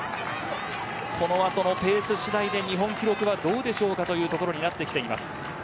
この後のペース次第で日本記録はどうでしょうかということになってきます。